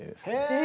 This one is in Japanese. え！